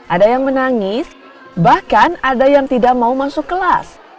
ada yang menangis bahkan ada yang tidak mau masuk kelas